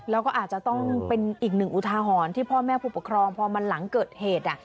แล้วก็อาจจะต้องเป็นอีกหนึ่งอุทาหรณ์ที่พ่อแม่ผู้ปกครองพอมันหลังเกิดเหตุ